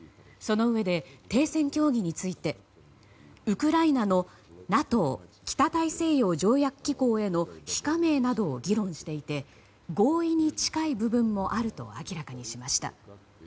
そのうえで停戦協議についてウクライナのＮＡＴＯ・北大西洋条約機構への非加盟などを議論していて合意に近い部分もあると明らかにしました。